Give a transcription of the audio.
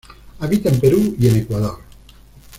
Habita en Perú y en Ecuador.